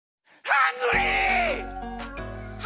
ハングリー！